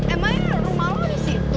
emang rumah lo disitu